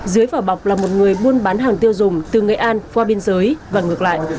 dưới vỏ bọc là một người buôn bán hàng tiêu dùng từ nghệ an qua biên giới và ngược lại